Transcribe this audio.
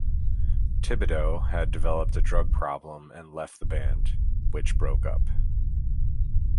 Thibodeaux had developed a drug problem and left the band, which broke up.